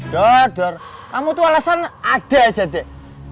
daudar kamu tuh alasan ada aja dek